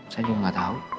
saya juga gak tahu